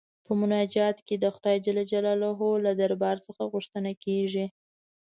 په مناجات کې د خدای جل جلاله له دربار څخه غوښتنه کيږي.